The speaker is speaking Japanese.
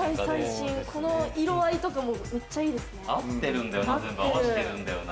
色合いとかも、めっちゃいいですね。